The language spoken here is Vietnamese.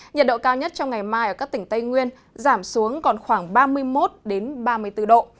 nhiệt độ cao nhất trong ngày mai ở các tỉnh tây nguyên giảm xuống còn khoảng ba mươi một ba mươi bốn độ